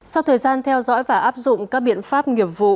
sau thời gian theo dõi và áp dụng các biện pháp nghiệp vụ